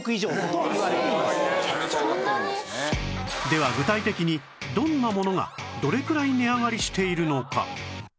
では具体的にどんなものがどれくらい値上がりしているのか？